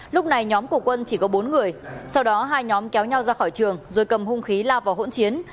lúc này nhóm của quân chỉ có bốn người sau đó hai nhóm kéo nhau ra khỏi trường rồi cầm hung khí lao vào hỗn chiến